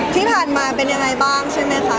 ที่ผ่านมาเป็นยังไงบ้างใช่ไหมคะ